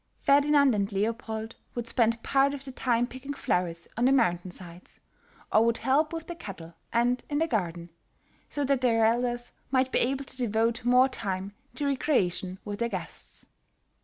Ferdinand and Leopold would spend part of the time picking flowers on the mountain sides, or would help with the cattle and in the garden, so that their elders might be able to devote more time to recreation with their guests.